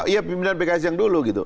ya pimpinan pks yang dulu gitu